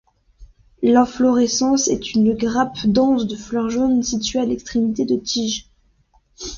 L'inflorescence est une grappe dense de fleurs jaunes située à l'extrémité de tiges.